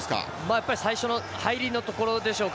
やっぱり最初の入りのところでしょうか。